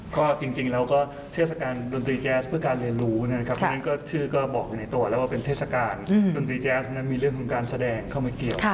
ก็จริงแล้วก็เทศกาลดนตรีแจ๊สเพื่อการเรียนรู้นะครับเพราะฉะนั้นก็ชื่อก็บอกอยู่ในตัวแล้วว่าเป็นเทศกาลดนตรีแจ๊สนั้นมีเรื่องของการแสดงเข้ามาเกี่ยว